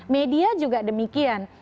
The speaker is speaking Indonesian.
media juga demikian